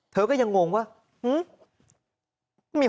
เธอก็ยังงงว่าหึมมมีห้องน้ำตรงไหนนี่